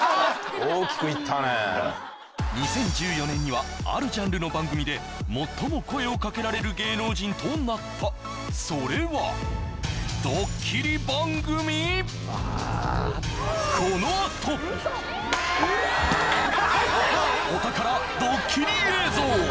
２０１４年にはあるジャンルの番組で最も声をかけられる芸能人となったそれはドッキリ番組お宝